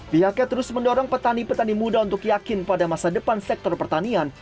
pihaknya terus mendorong petani petani muda untuk yakin pada masa depan sektor pertanian